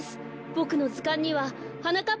ボクのずかんにははなかっ